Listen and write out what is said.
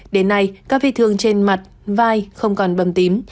đến nay các vết thương trên mặt vai không còn bầm tím